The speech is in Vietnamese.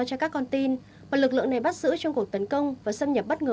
cho các con tin mà lực lượng này bắt giữ trong cuộc tấn công và xâm nhập bất ngờ